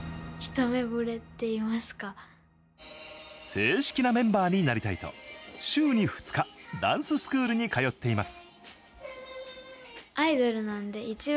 正式なメンバーになりたいと週に２日ダンススクールに通っています。